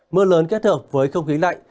mưa lớn kết hợp với không khí lạnh